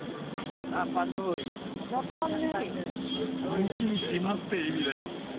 大きい島って意味だよ